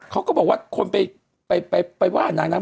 เขาก็บอกว่าคนไปว่านางนะ